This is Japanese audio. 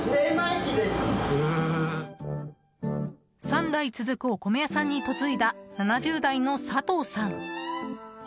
３代続くお米屋さんに嫁いだ７０代の佐藤さん。